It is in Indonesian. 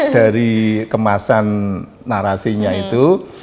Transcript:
dari kemasan narasinya itu